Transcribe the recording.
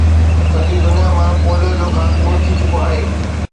سڄي دنيا مان پوليو جو خاتمو ٿي چڪو آهي